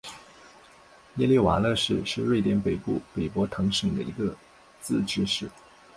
耶利瓦勒市是瑞典北部北博滕省的一个自治市。